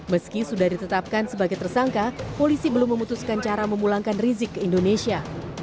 meski sudah ditetapkan sebagai tersangka polisi belum memutuskan cara memulangkan rizik ke indonesia